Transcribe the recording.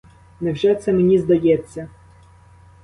Невже це мені здається?